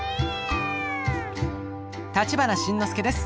立花慎之介です。